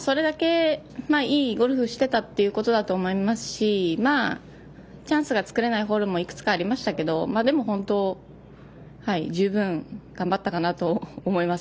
いいゴルフしていたということだと思いますしチャンスが作れないホールもいくつかありましたけどでも本当、十分頑張ったかなと思います。